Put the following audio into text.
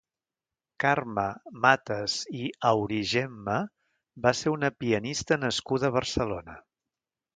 Carme Matas i Aurigemma va ser una pianista nascuda a Barcelona.